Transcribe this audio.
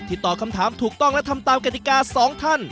ตอบคำถามถูกต้องและทำตามกฎิกา๒ท่าน